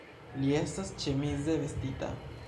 Li estas ĉemize vestita.